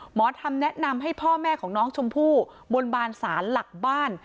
หมอธรรมแนะนำให้พ่อแม่ของน้องชมพู่บนบานศาลหลักบ้าน